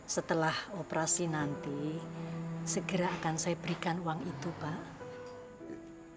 setelah operasi nanti segera akan saya berikan uang itu pak